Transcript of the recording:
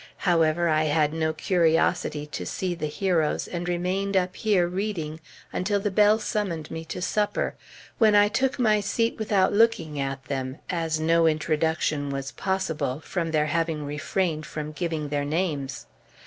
However, I had no curiosity to see the heroes, and remained up here reading until the bell summoned me to supper, when I took my seat without looking at them, as no introduction was possible, from their having refrained from giving their names.